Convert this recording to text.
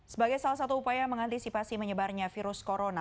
sebagai salah satu upaya mengantisipasi menyebarnya virus corona